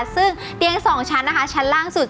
ซึ่งเตียง๒ชั้นนะคะชั้นล่างสุด